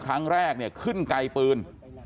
ครั้งแรกเนี่ยขึ้นไกลปืน